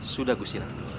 sudah gusti ratu